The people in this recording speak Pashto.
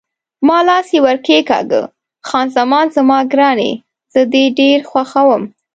ما لاس یې ور کښېکاږه: خان زمان زما ګرانې، زه دې ډېر خوښوم.